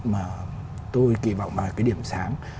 mà tôi kỳ vọng là cái điểm sáng